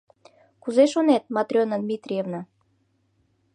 Кузе шонет, Матрена Дмитриевна?